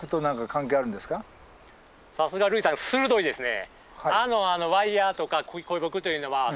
さすが類さん鋭いですね。